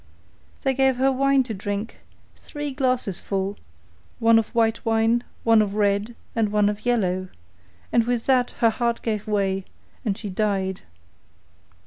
They gave her wine to drink, three glasses full, one of white wine, one of red, and one of yellow, and with that her heart gave way and she died.